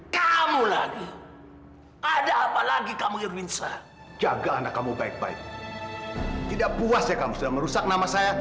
sampai jumpa di video selanjutnya